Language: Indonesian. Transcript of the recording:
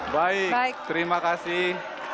baik terima kasih